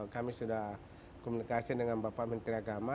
kami sudah komunikasi dengan bapak menteri agama